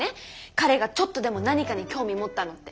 彼がちょっとでも何かに興味持ったのって。